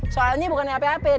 soalnya bukan apa apa ya